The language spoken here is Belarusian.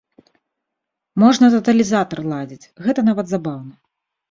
Можна таталізатар ладзіць, гэта нават забаўна.